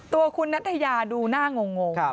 ตัวคุณนัทยาดูหน้างง